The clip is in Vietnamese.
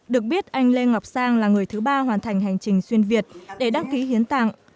được biết anh lê ngọc sang là người thứ ba hoàn thành hành trình xuyên việt để đăng ký hiến tặng